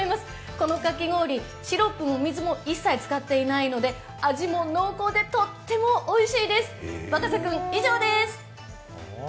このかき氷、シロップも水も一切使っていないので、味も濃厚で、とってもおいしいです若狭君、以上です。